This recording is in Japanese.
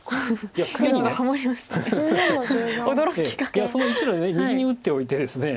いやその１路右に打っておいてですね